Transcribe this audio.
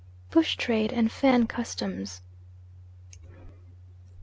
BUSH TRADE AND FAN CUSTOMS.